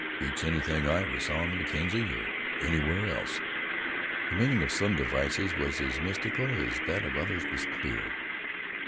Beats anything I ever saw on the Mackenzie, or anywhere else." The meaning of some devices was as mystical as that of others was clear.